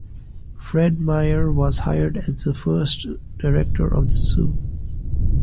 Fred Meyer was hired as the first director of the zoo.